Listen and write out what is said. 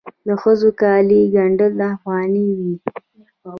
د ښځو کالي ګنډ افغاني وي.